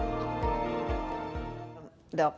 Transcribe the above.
jadi kita harus memperbaiki penyakit yang lebih kecil